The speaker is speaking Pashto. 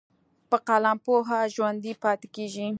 په قلم پوهه ژوندی پاتې کېږي.